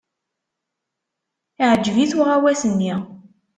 Yeɛjeb-it uɣawas-nni.